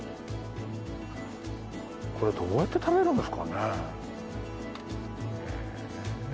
これどうやって食べるんですかね。